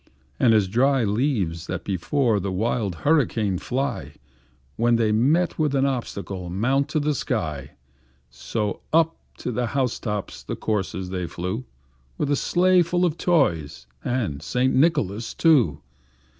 As dry leaves that before the wild hurricane fly, When they meet with an obstacle, mount to the sky, So, up to the house top the coursers they flew, With a sleigh full of toys and St. Nicholas too.